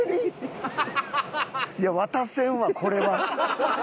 いや渡せんわこれは。